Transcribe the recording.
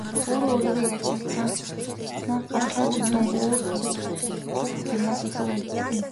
Өөрөө өөрийгөө ялж чадсанаа гарах үр дүн өөр бусад бүх юмнаас илүү үнэтэй.